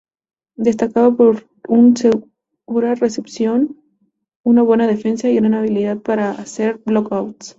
Destacaba por un segura recepción, una buena defensa y gran habilidad para hacer block-outs.